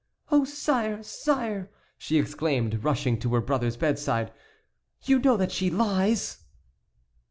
"Oh, sire! sire!" she exclaimed, rushing to her brother's bedside; "you know that she lies."